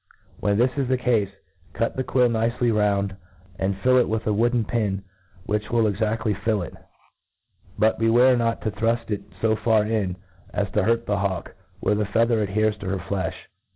When this is the cafe, cut the quill nicely round, and fill it with a wooden piri which will exafily fill it j but beware not td thruft it fo far ifi, as to hurt the hawk where the feather adheres to her flefh.